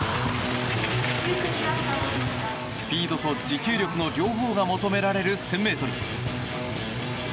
スピードと持久力の両方が求められる１０００ｍ。